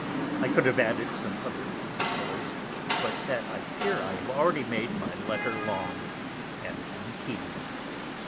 I could have added some other particulars, but that I fear I have already made my Letter long, and am tedious.